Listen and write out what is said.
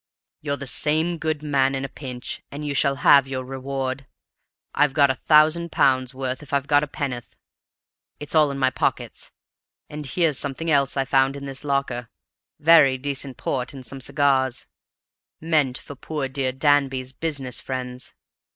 "You're the same good man in a pinch, and you shall have your reward. I've got a thousand pounds' worth if I've got a penn'oth. It's all in my pockets. And here's something else I found in this locker; very decent port and some cigars, meant for poor dear Danby's business friends.